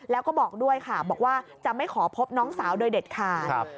แล้วก็บอกด้วยค่ะบอกว่าจะไม่ขอพบน้องสาวโดยเด็ดขาด